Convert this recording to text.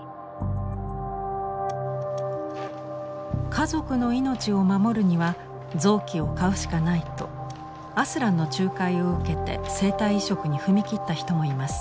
家族の命を守るには臓器を買うしかないとアスランの仲介を受けて生体移植に踏み切った人もいます。